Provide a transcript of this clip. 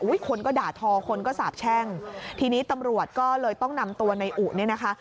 คนก็ด่าทอคนก็สาบแช่งทีนี้ตำรวจก็เลยต้องนำตัวในอุเนี่ยนะคะ